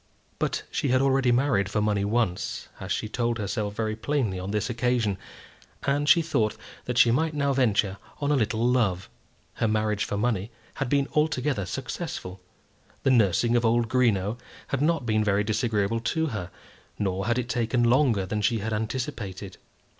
But she had already married for money once, as she told herself very plainly on this occasion, and she thought that she might now venture on a little love. Her marriage for money had been altogether successful. The nursing of old Greenow had not been very disagreeable to her, nor had it taken longer than she had anticipated.